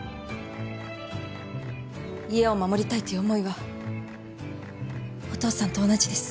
家を守りたいという思いはお父さんと同じです。